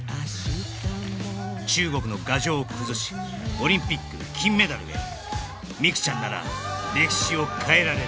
中国の牙城を崩しオリンピック金メダルへ美空ちゃんなら歴史を変えられる